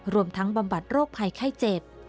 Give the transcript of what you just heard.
รวมทั้งบำบัดโรคภัยไข้เจ็บ